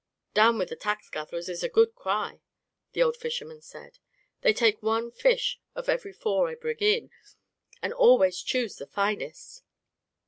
"Down with the tax gatherers is a good cry," the old fisherman said. "They take one fish of every four I bring in, and always choose the finest.